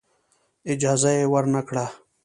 اجازه یې ورنه کړه.